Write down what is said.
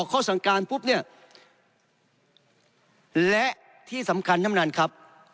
ข้อสั่งการปุ๊บเนี่ยและที่สำคัญท่านประธานครับ